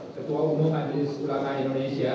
ketua umum majelis ulama indonesia